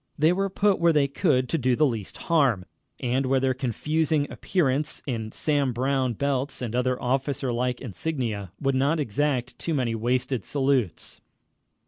They were put where they could do the least harm, and where their confusing appearance, in Sam Brown belts and other officer like insignia, would not exact too many wasted salutes.